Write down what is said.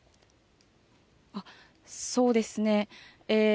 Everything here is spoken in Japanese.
そうですね。